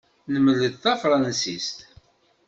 Nemled tafṛansist.